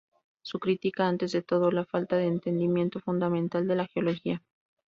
Se critica antes de todo la falta de entendimiento fundamental de la geología.